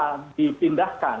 karena ini dipindahkan